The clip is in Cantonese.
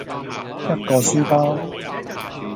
一個書包